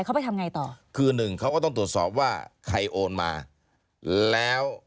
เขาไปทำไงต่อคือหนึ่งเขาก็ต้องตรวจสอบว่าใครโอนมาแล้ว